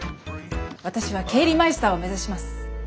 私は経理マイスターを目指します。